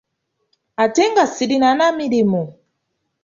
Ate nga sirina na mirimu?